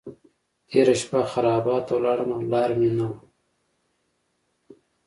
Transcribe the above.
تېره شپه خرابات ته ولاړم لار مې نه وه.